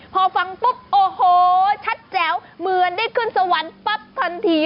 พอฟังปุ๊บโอ้โหชัดแจ๋วเหมือนได้ขึ้นสวรรค์ปั๊บทันที